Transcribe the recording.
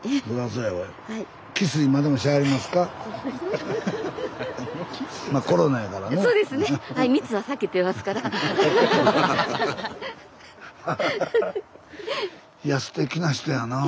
いやすてきな人やなあ。